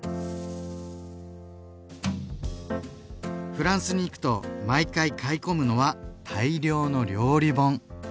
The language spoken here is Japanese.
フランスに行くと毎回買い込むのは大量の料理本。